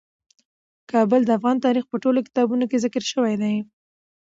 کابل د افغان تاریخ په ټولو کتابونو کې ذکر شوی دی.